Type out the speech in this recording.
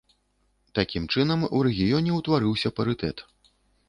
Такім чынам у рэгіёне ўтварыўся парытэт.